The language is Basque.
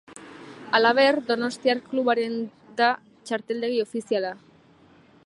Halaber donostiar klubaren da txarteldegi ofiziala.